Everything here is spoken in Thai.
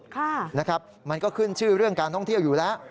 ค่ะนะครับมันก็ขึ้นชื่อเรื่องการท่องเที่ยวอยู่แล้ว